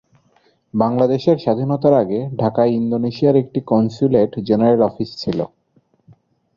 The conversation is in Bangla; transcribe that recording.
বাংলাদেশের স্বাধীনতার আগে ঢাকায় ইন্দোনেশিয়ার একটি কনস্যুলেট জেনারেল অফিস ছিল।